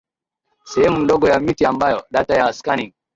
sehemu ndogo ya miti ambayo data ya skanning